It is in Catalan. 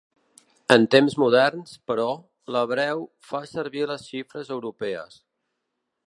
En temps moderns, però, l'hebreu fa servir les xifres europees.